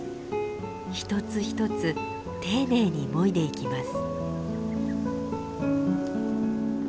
一つ一つ丁寧にもいでいきます。